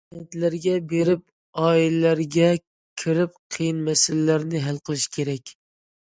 كەنتلەرگە بېرىپ، ئائىلىلەرگە كىرىپ قىيىن مەسىلىلەرنى ھەل قىلىش كېرەك.